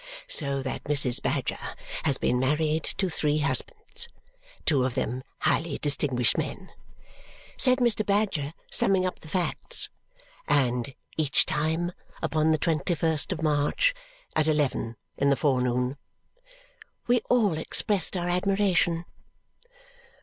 "So that Mrs. Badger has been married to three husbands two of them highly distinguished men," said Mr. Badger, summing up the facts, "and each time upon the twenty first of March at eleven in the forenoon!" We all expressed our admiration.